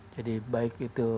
jadi baik itu